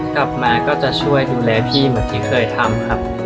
กลับมาก็จะช่วยดูแลพี่เหมือนที่เคยทำครับ